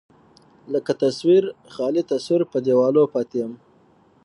لکه تصوير، خالي تصوير په دېواله پاتې يم